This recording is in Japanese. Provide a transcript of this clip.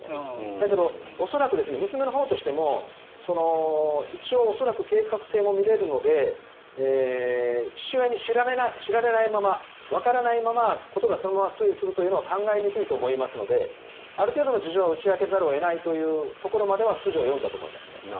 だけど恐らく娘のほうとしても一応、恐らく計画性も見られるので父親に知られないままわからないまま事がそのまま推移するということは考えにくいのである程度の事情は打ち明けざるを得ないというところまでは筋を読んだと思います。